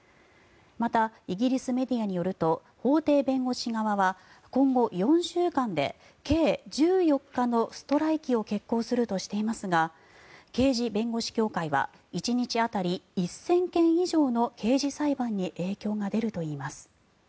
また、イギリスメディアによると法廷弁護士側は今後４週間で計１４日のストライキを決行するとしていますが刑事弁護士協会は１日当たり１０００件以上の刑事裁判に影響が出るといいます。